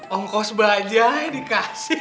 ongkos bajanya dikasih